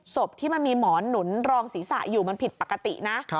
ศพที่มันมีหมอนหนุนรองศีรษะอยู่มันผิดปกตินะ